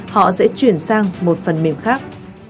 họ sẽ chuyển sang một phần mềm khác